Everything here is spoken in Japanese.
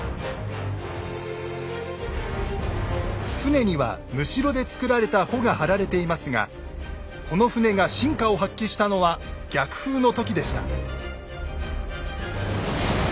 船にはむしろで作られた帆が張られていますがこの船が真価を発揮したのは逆風の時でした。